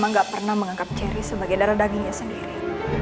mama gak pernah menganggap cherry sebagai darah dagingnya sendiri